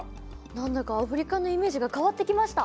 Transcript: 何だかアフリカのイメージが変わってきました。